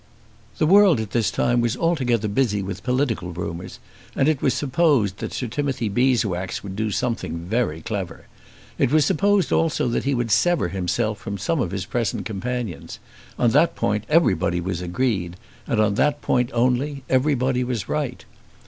The world at this time was altogether busy with political rumours; and it was supposed that Sir Timothy Beeswax would do something very clever. It was supposed also that he would sever himself from some of his present companions. On that point everybody was agreed, and on that point only everybody was right.